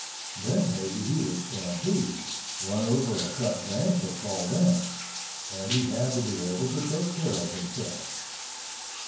Then maybe he would stampede, run over a cut bank or fall down—and he had to be able to take care of himself.